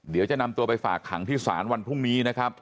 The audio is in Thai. เดี๋ยวจะนำตัวไปฝากขังที่ศาลวันพรุ่งนี้นะครับ